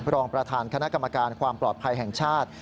รองประธานคณะกรรมการความปลอดภัยแห่งชาติ